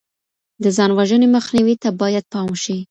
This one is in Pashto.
د ځان وژنې مخنيوي ته بايد پام وشي.